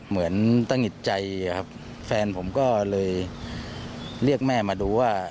เหมือนตะหงิดใจครับแฟนผมก็เลยเรียกแม่มาดูว่า